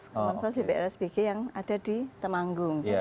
kemensos bblsbg yang ada di temanggung